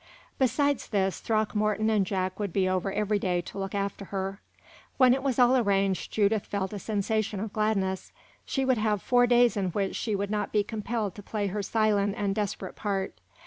Besides this, Throckmorton and Jack would be over every day to look after her. When it was all arranged, Judith felt a sensation of gladness. She would have four days in which she would not be compelled to play her silent and desperate part.